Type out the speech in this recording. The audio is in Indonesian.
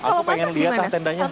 aku pengen lihat tentanya